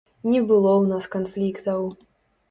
Не было ў нас канфліктаў.